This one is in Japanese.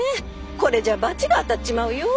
これじゃ罰が当たっちまうよ。